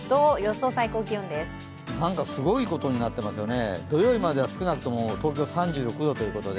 すごいことになっていますね。